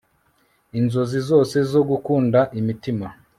Inzozi zose zo gukunda imitima